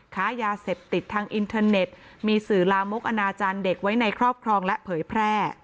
ค้ายาเสพติดทางอินเทอร์เน็ตมีสื่อลามกอนาจารย์เด็กไว้ในครอบครองและเผยแพร่